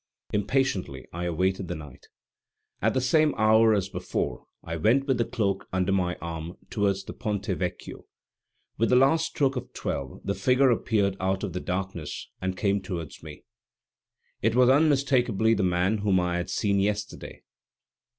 Impatiently I awaited the night. At the same hour as before I went with the Cloak under my arm towards the Ponte Vecchio. With the last stroke of twelve the figure appeared out of the darkness, and came towards me. It was unmistakably the man whom I had seen yesterday.